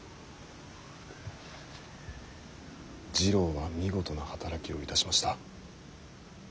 次郎は見事な働きをいたしました。